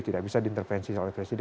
tidak bisa diintervensi oleh presiden